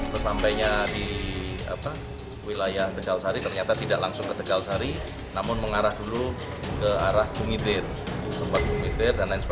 sesampainya di wilayah tegalsari ternyata tidak langsung ke tegalsari namun mengarah dulu ke arah bungitir